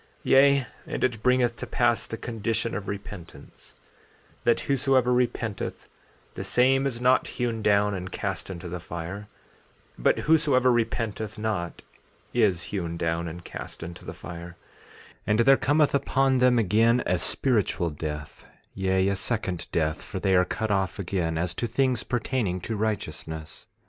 14:18 Yea, and it bringeth to pass the condition of repentance, that whosoever repenteth the same is not hewn down and cast into the fire; but whosoever repenteth not is hewn down and cast into the fire; and there cometh upon them again a spiritual death, yea, a second death, for they are cut off again as to things pertaining to righteousness.